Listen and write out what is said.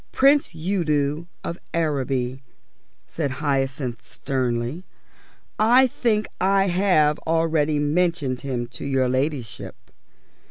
"Prince Udo of Araby," said Hyacinth severely. "I think I have already mentioned him to your ladyship.